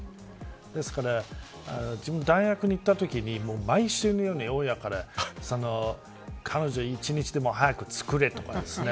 ですから大学に行ったときに毎週のように親から、彼女を一日でも早くつくれとかですね